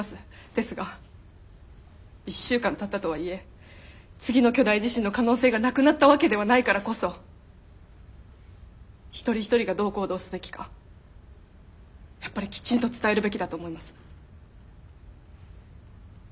ですが１週間たったとはいえ次の巨大地震の可能性がなくなったわけではないからこそ一人一人がどう行動すべきかやっぱりきちんと伝えるべきだと思います。